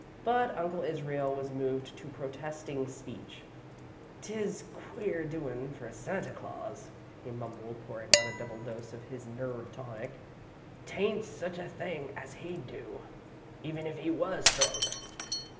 But Uncle Israel was moved to protesting speech. "'T is queer doin's for Santa Claus," he mumbled, pouring out a double dose of his nerve tonic. "'T ain't such a thing as he'd do, even if he was drunk.